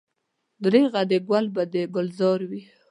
درېغه ګل به د ګلزار وي.